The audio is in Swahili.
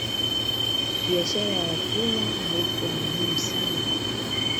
Biashara ya watumwa haikuwa muhimu sana hapa